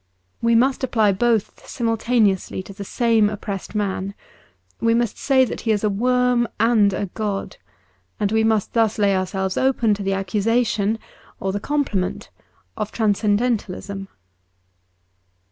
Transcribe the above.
We must apply both simultane ously to the same oppressed man ; we must say that he is a worm and a god ; and we must thus lay ourselves open to the accusation (or the com pliment) of transcendentalism.